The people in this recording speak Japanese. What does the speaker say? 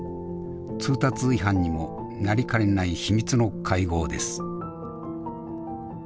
通達違反にもなりかねない秘密の会合です。